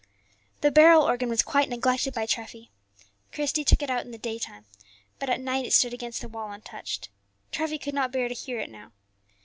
The barrel organ was quite neglected by Treffy. Christie took it out in the daytime, but at night it stood against the wall untouched. Treffy could not bear to hear it now.